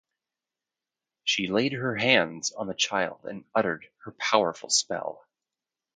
She laid her hands on the child and uttered her powerful spell.